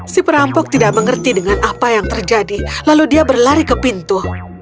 si perampok tidak mengerti dengan apa yang terjadi lalu dia berlari ke pintu